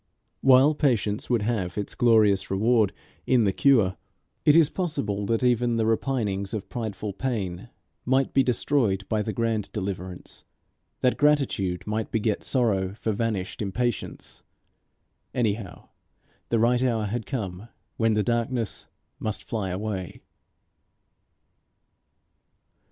While patience would have its glorious reward in the cure, it is possible that even the repinings of prideful pain might be destroyed by the grand deliverance, that gratitude might beget sorrow for vanished impatience. Anyhow the right hour had come when the darkness must fly away.